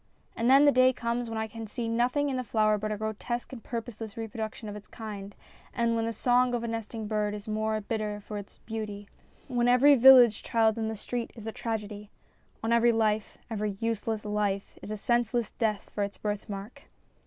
And then the day comes when I can see nothing in the flower but a grotesque and purposeless reproduc tion of its kind, when the song of the nesting bird is the more bitter for its beauty, when every village child in the street is a tragedy. On every life every useless life is a senseless death for its birthmark.